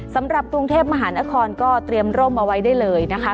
สำหรับกรุงเทพมหานครก็เตรียมร่มเอาไว้ได้เลยนะคะ